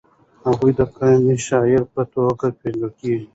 هغه د قامي شاعر په توګه پېژندل شوی.